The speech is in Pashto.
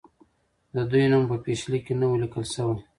د دوی نوم په پیشلیک کې نه وو لیکل سوی.